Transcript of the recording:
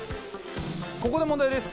ここで問題です。